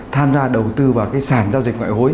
tham gia đầu tư vào cái sản giao dịch ngoại hối